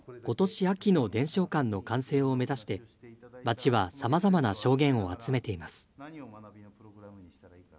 ことし秋の伝承館の完成を目指して、町はさまざまな証言を集めています。